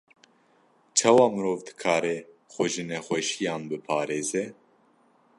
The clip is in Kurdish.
Çawa mirov dikare xwe ji nexweşiyan biparêze?